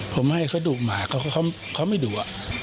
ผมให้เขาดุมาเขาไม่ดู